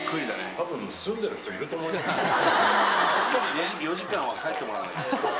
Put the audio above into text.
たぶん、４時間は帰ってもらわないと。